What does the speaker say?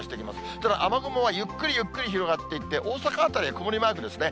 ただ、雨雲はゆっくりゆっくり広がっていって、大阪辺りは曇りマークですね。